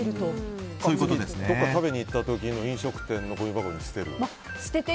どっか食べに行った時の飲食店のごみ箱に捨てる？